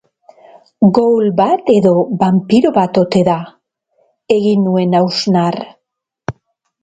Ghoul bat edo banpiro bat ote da? Egin nuen hausnar.